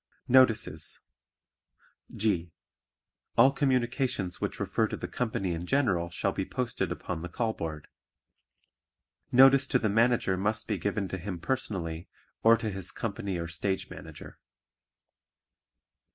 Notices (G) All communications which refer to the company in general shall be posted upon the call board. Notice to the Manager must be given to him personally or to his company or Stage Manager.